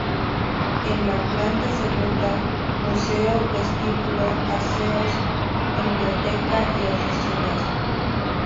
En la planta segunda; museo, vestíbulo, aseos, biblioteca y oficinas.